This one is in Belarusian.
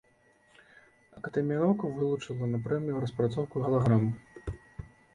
Акадэмія навук вылучыла на прэмію распрацоўку галаграм.